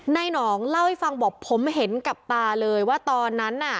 นายหนองเล่าให้ฟังบอกผมเห็นกับตาเลยว่าตอนนั้นน่ะ